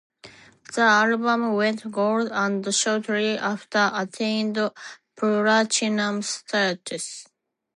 The album went gold and shortly after attained platinum status.